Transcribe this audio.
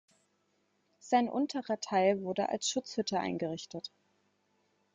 Sein unterer Teil wurde als Schutzhütte eingerichtet.